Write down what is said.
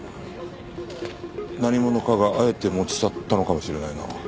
何者かがあえて持ち去ったのかもしれないな。